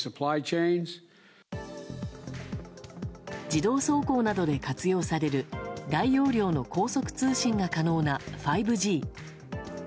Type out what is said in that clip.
自動走行などで活用される大容量の高速通信が可能な５Ｇ。